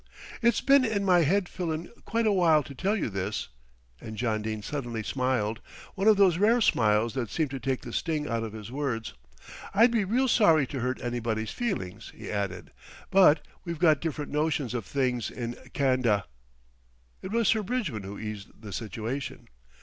"It's been in my head fillin' quite a while to tell you this;" and John Dene suddenly smiled, one of those rare smiles that seemed to take the sting out of his words. "I'd be real sorry to hurt anybody's feelings," he added, "but we've got different notions of things in Can'da." It was Sir Bridgman who eased the situation.